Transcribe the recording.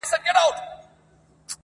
و سر لره مي دار او غرغرې لرې که نه،